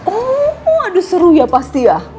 oh waduh seru ya pasti ya